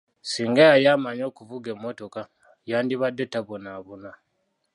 Singa yali amanyi okuvuga mmotoka, yandibadde tabonabona.